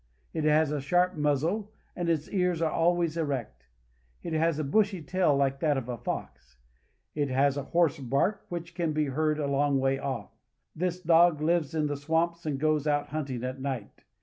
It has a sharp muzzle, and its ears are always erect. It has a bushy tail like that of a fox. It has a hoarse bark, which can be heard a long way off. This u g lives in the swamps and goes out hunt ing at night..